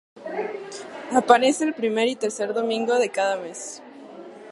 Aparece el primer y tercer domingo de cada mes.